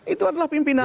itu adalah pimpinan